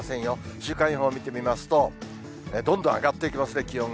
週間予報を見てみますと、どんどん上がっていきますね、気温が。